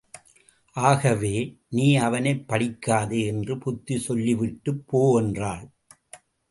ஆகவே, நீ அவனைப் படிக்காதே என்று புத்தி சொல்லிவிட்டுப் போ என்றாள்.